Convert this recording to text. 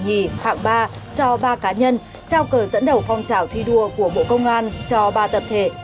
hạng ba cho ba cá nhân trao cờ dẫn đầu phong trào thi đua của bộ công an cho ba tập thể